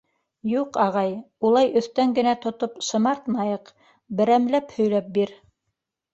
— Юҡ, ағай, улай өҫтән генә тотоп шымартмайыҡ, берәмләп һөйләп бир.